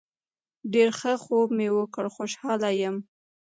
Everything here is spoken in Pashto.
ډیر ښه خوب مې وکړ خوشحاله یم